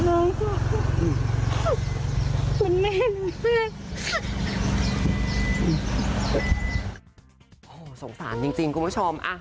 โอ้โหสงสารจริงคุณผู้ชม